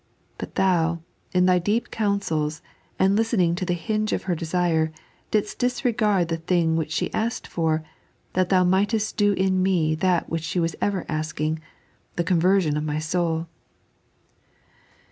But Thou, in Thy deep counsels, and listening to the hinge of her desire, didst disregard the thing which she asked for, that Thou mightest do in me that which she was ever asking — the conversion of my soul."